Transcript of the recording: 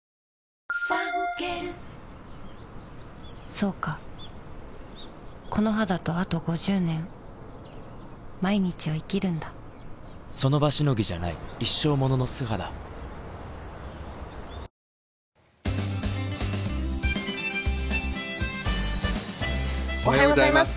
そうかこの肌とあと５０年その場しのぎじゃない一生ものの素肌おはようございます。